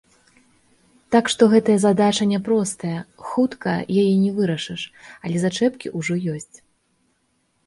Так што гэтая задача няпростая, хутка яе не вырашыш, але зачэпкі ўжо ёсць.